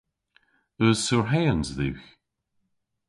Eus surheans dhywgh?